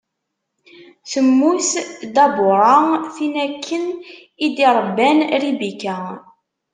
Temmut Dabuṛa, tin akken i d-iṛebban Ribika.